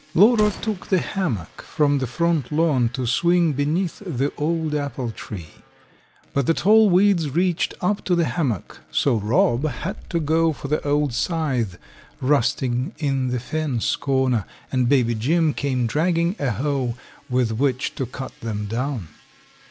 Lora took the hammock from the front lawn to swing beneath the old apple tree. But the tall weeds reached up to the hammock, so Rob had to go for the old scythe rusting in the fence corner and Baby Jim came dragging a hoe with which to cut them down.